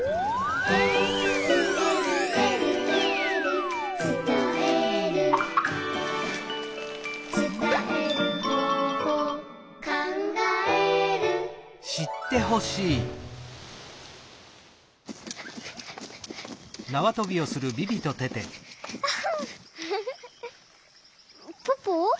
「えるえるえるえる」「つたえる」「つたえる方法」「かんがえる」ポポ？